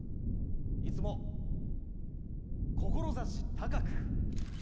いつも志高く！